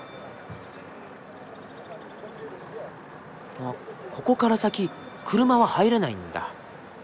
あっここから先車は入れないんだ。